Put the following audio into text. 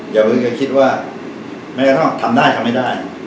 อย่าเพิ่งไปคิดว่าทำได้ทำไม่ได้